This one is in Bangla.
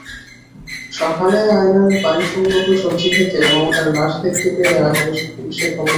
সকালে আয়নালের বাড়িসংলগ্ন সবজিখেতে মমতার লাশ দেখতে পেয়ে এলাকাবাসী পুলিশে খবর দেন।